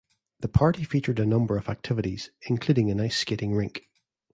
The party featured a number of activities, including an ice skating rink.